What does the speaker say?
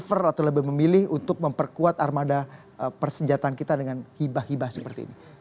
apa yang bisa kita lebih memilih untuk memperkuat armada persenjataan kita dengan hibah hibah seperti ini